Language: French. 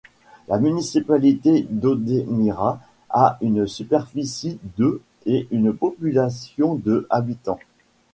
La municipalité d'Odemira a une superficie de et une population de habitants.